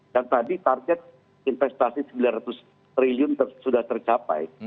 dan tadi target investasi rp sembilan ratus triliun sudah tercapai